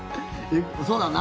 そうだな。